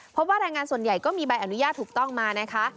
เพราะว่าแรงงานส่วนใหญ่ก็มีใบอนุญาตถูกต้องมานะคะ